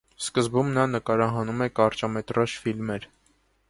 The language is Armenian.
Սկզբում նա նկարահանում է կարճամետրաժ ֆիլմեր։